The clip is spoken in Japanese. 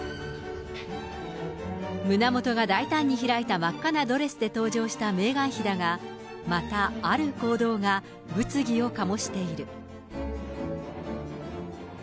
胸元が大胆に開いた真っ赤なドレスで登場したメーガン妃だが、また、ある行動が物議を醸している。